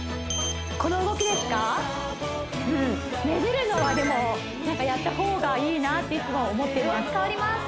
この動きですかねじるのはでもやったほうがいいなっていつも思っています